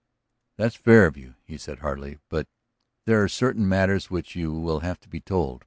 "That's fair of you," he said heartily. "But there are certain matters which you will have to be told.